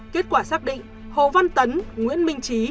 kết quả xác định hồ văn tấn nguyễn minh trí